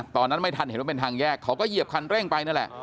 ตอนนั้นไม่ทันเห็นว่าเป็นทางแยกเขาก็เหยียบคันเร่งไปนั่นแหละ